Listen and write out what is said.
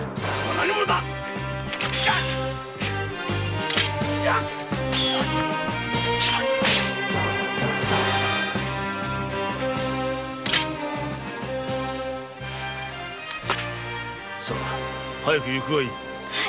何者だ‼早くいくがいい。